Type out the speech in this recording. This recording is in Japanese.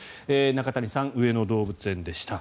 中谷さん、上野動物園でした。